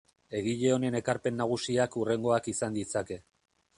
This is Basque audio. Egile honen ekarpen nagusiak hurrengoak izan ditzake.